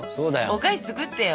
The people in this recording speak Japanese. お菓子作ってよ。